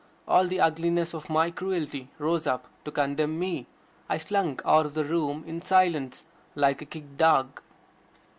All the ugliness of my cruelty rose up to condemn me. I slunk out of the room in silence, like a kicked dog.